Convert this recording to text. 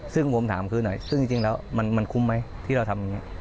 ซึ่งผมถามคือหน่อยซึ่งจริงแล้วมันคุ้มไหมที่เราทำอย่างนี้